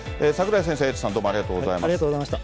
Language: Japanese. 櫻井先生、エイトさん、どうもあありがとうございました。